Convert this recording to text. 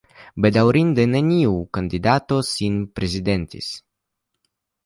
Bedaŭrinde neniu alia kandidato sin prezentis.